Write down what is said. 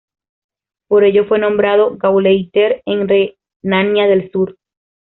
Por ello, fue nombrado Gauleiter en Renania del Sur.